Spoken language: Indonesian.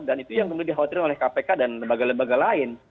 dan itu yang kemudian dikhawatirkan oleh kpk dan lembaga lembaga lain